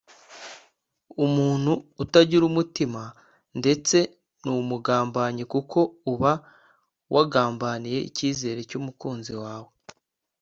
umuntu utagira umutima ndetse n’umugambanyi kuko uba wagambaniye icyizere cy’umukunzi wawe